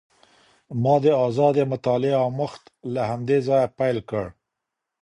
ما د ازادې مطالعې اموخت له همدې ځایه پیل کړ.